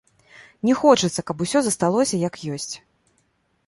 Не хочацца, каб усё засталося, як ёсць.